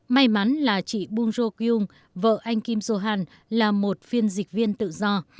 may mắn là chị bung jo kyoong vợ anh kim johan là một phiên dịch viên tự do